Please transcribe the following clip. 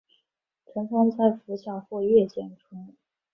成虫在拂晓或夜间出没。